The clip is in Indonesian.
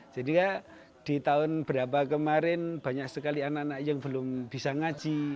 jadi di tahun berapa kemarin banyak sekali anak anak yang belum bisa ngaji